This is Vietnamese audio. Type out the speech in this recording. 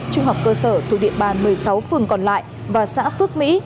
trung học cơ sở thuộc địa bàn một mươi sáu phường còn lại và xã phước mỹ